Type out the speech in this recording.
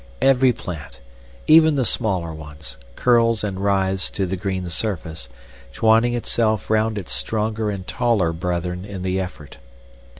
Every plant, even the smaller ones, curls and writhes to the green surface, twining itself round its stronger and taller brethren in the effort.